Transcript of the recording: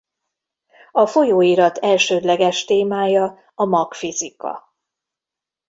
A folyóirat elsődleges témája a magfizika.